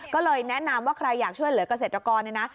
ก็เลยแนะนำว่าใครอยากช่วยเหลือกเกษตรกรเนี่ยนะ